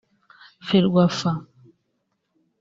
Ferwafa